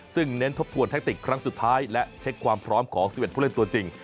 ซึ่งเน้นทบทวนแทคติกครั้งสุดท้ายและเช็คความพร้อมของ๑๑ผู้เล่นตัวจริง